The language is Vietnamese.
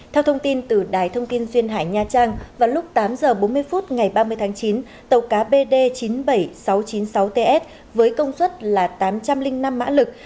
theo thông tin từ đài thông tin duyên hải nha trang vào lúc tám h bốn mươi phút ngày ba mươi tháng chín tàu cá bd chín mươi bảy nghìn sáu trăm chín mươi sáu ts với công suất là tám trăm linh năm mã lực